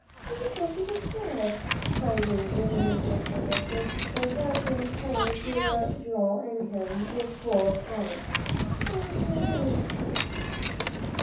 "You said he was dead," cried David in a fearful whisper, and crouching tight to Joel and gripping him with both arms. "O dear me!"